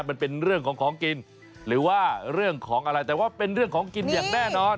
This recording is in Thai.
มันเป็นเรื่องของของกินหรือว่าเรื่องของอะไรแต่ว่าเป็นเรื่องของกินอย่างแน่นอน